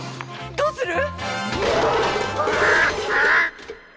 どうする！？